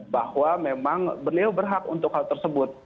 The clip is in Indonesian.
bahwa memang beliau berhak untuk hal tersebut